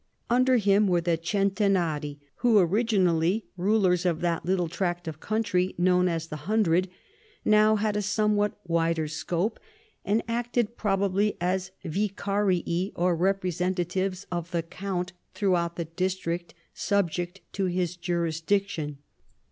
Under him were the centenarii^ who, originally rulers of that little tract of country known as the Hundred, now had a somewhat wider scope, ;ind acted pi'obably as vicarii or representatives of the 322 CHARLEMAGNE. count throughout the district subject to his jurisdic tion.